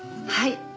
はい。